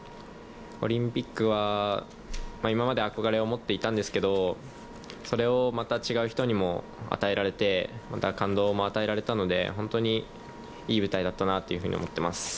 オリンピックは今まで憧れを持っていたんですがそれをまた違う人にも与えられて感動も与えられたので本当にいい舞台だったなと思っています。